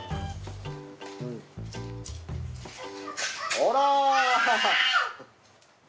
ほら。